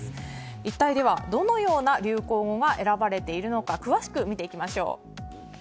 一体どのような流行語が選ばれているのか詳しく見ていきましょう。